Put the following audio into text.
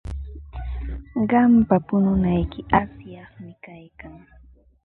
Qampa pununayki asyaqmi kaykan.